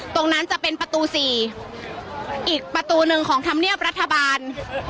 ตรงนั้นจะเป็นประตู๔อีกประตูหนึ่งของธรรมเนียบรัฐบาล